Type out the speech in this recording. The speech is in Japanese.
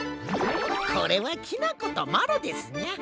これはきなことまろですニャ。